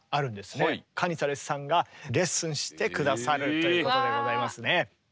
カニサレスさんがレッスンして下さるということでございますね。